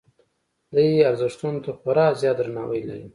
دې ارزښتونو ته خورا زیات درناوی لري.